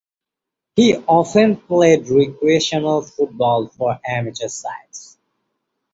He often played recreational football for amateur sides.